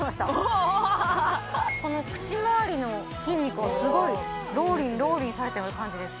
この口周りの筋肉をすごいローリンローリンされてる感じです